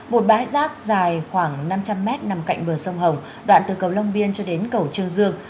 một bãi rác dài khoảng năm trăm linh mét nằm cạnh bờ sông hồng đoạn từ cầu long biên cho đến cầu châu dương